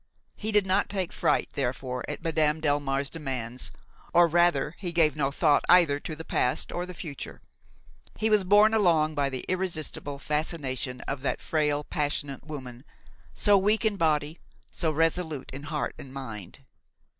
He did not take fright therefore at Madame Delmare's demands, or rather he gave no thought either to the past or the future. He was borne along by the irresistible fascination of that frail, passionate woman, so weak in body, so resolute in heart and mind.